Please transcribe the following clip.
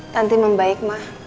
tanti membaik mah